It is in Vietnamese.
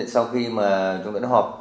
sau khi mà chúng ta đã họp